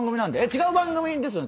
違う番組ですよね？